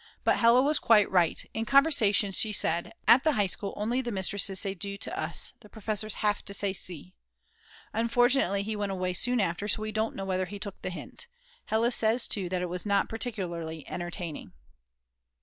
But Hella was quite right; in conversation she said: "At the High School only the mistresses say Du to us, the professors have to say Sie." Unfortunately he went away soon after, so we don't know whether he took the hint. Hella says too that it was not particularly entertaining.